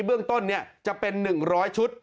เบื้องต้นจะเป็น๑๐๐ชุด